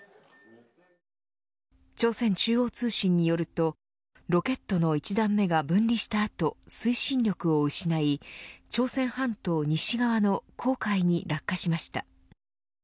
朝鮮中央通信によるとロケットの１段目が分離した後推進力を失い、朝鮮半島西側の黄海に落下しました。